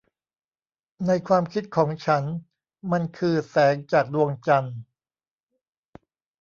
ในความคิดของฉันมันคือแสงจากดวงจันทร์